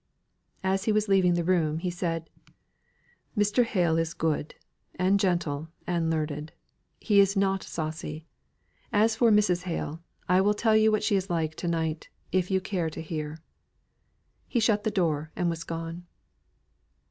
As he was leaving the room he said: "Mr. Hale is good, and gentle, and learned. He is not saucy. As for Mrs. Hale, I will tell you what she is like to night, if you care to hear." He shut the door, and was gone.